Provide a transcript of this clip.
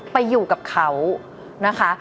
ไปอยู่กับเขานะคะ